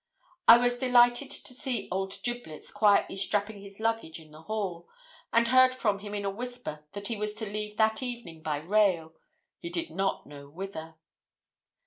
I was delighted to see old 'Giblets' quietly strapping his luggage in the hall, and heard from him in a whisper that he was to leave that evening by rail he did not know whither.